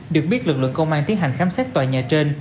được biết lực lượng công an tiến hành khám xét tòa nhà trên